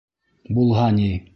Булһа ни!